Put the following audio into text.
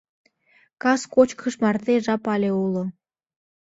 Кас кочкыш марте жап але уло.